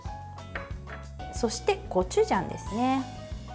そして、コチュジャンですね。